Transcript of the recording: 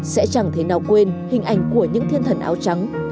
sẽ chẳng thế nào quên hình ảnh của những thiên thần áo trắng